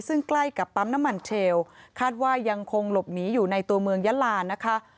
ซึ่งใกล้กับปั๊มน้ำมันเชลคาดว่ายังคงหลบหนีอยู่ในตัวเมืองยะลานะคะ